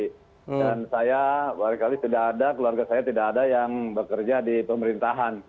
dan saya beberapa kali keluarga saya tidak ada yang bekerja di pemerintahan